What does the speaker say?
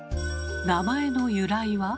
名前の由来は？